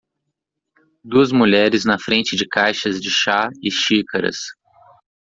Duas mulheres na frente de caixas de chá e xícaras.